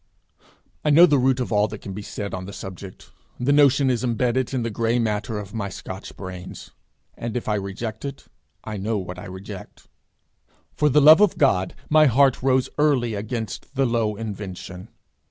I know the root of all that can be said on the subject; the notion is imbedded in the gray matter of my Scotch brains; and if I reject it, I know what I reject. For the love of God my heart rose early against the low invention.